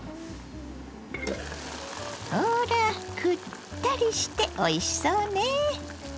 ほらくったりしておいしそうね。